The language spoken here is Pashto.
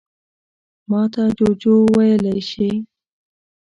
_ماته جُوجُو ويلی شې.